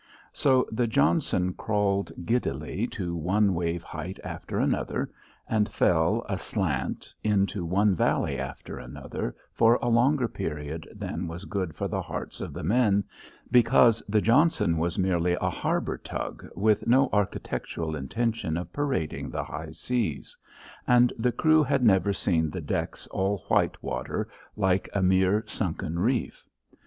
So the Johnson crawled giddily to one wave height after another, and fell, aslant, into one valley after another for a longer period than was good for the hearts of the men, because the Johnson was merely a harbour tug, with no architectural intention of parading the high seas, and the crew had never seen the decks all white water like a mere sunken reef.